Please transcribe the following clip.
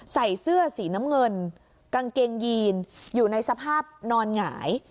ใส่เสื้อสีน้ำเงินกางเกงยีนอยู่ในสภาพนอนหงาย